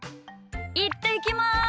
いってきます！